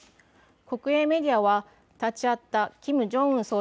国営メディアは立ち会ったキム・ジョンウン